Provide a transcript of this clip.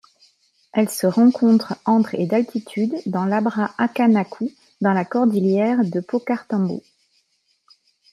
Elle se rencontre entre et d'altitude dans l'Abra Accanacu dans la cordillère de Paucartambo.